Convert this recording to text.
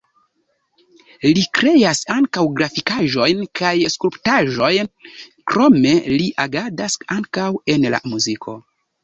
Li kreas ankaŭ grafikaĵojn kaj skulptaĵojn, krome li agadas ankaŭ en la muziko.